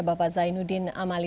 bapak zainuddin amali